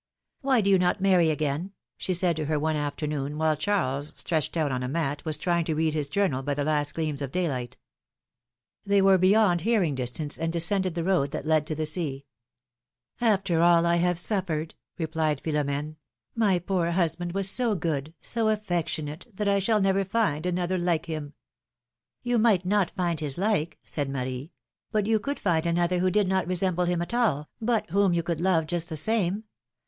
Why do you not marry again she said to her one afternoon, while Charles, stretched out on a mat, was trying to read his journal by the last gleams of daylight. They were beyond hearing distance, and descended the road that led to the sea. ^^After all I have suffered ! replied Philornene; ^^my poor husband was so good, so affectionate, that I shall never find another like him '^You might not find his like," said Marie, but you philom^:ne's marriages. 85 could find another who did not resemble him at all, but whom you could love just the same.